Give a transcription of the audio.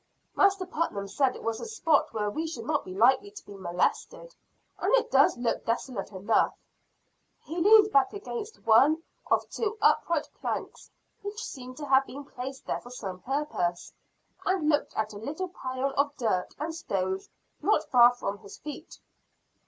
Master Putnam said it was a spot where we should not be likely to be molested. And it does look desolate enough." He leaned back against one of two upright planks which seemed to have been placed there for some purpose, and looked at a little pile of dirt and stones not far from his feet.